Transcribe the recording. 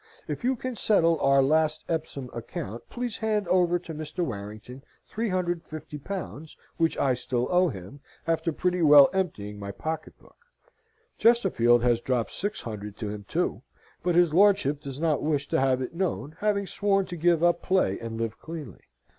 If you can settle our last Epsom account please hand over to Mr. Warrington 350 pounds, which I still owe him, after pretty well emptying my pocket book. Chesterfield has dropped six hundred to him, too; but his lordship does not wish to have it known, having sworn to give up play and live cleanly.